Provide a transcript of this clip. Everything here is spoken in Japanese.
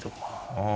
うん。